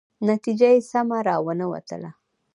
نتیجه یې سمه را ونه وتله.